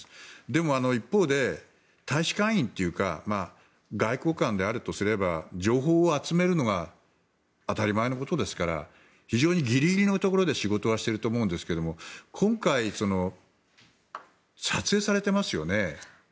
でも一方で、大使館員というか外交官であるとすれば情報を集めるのは当たり前のことですから非常にギリギリのところで仕事をしていると思うんですが今回、撮影されていますよね。